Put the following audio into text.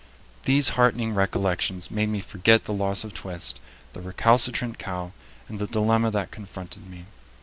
These heartening recollections made me forget the loss of Twist, the recalcitrant cow, and the dilemma that confronted me.